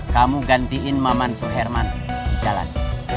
kamu gantiin mamansu herman di jalan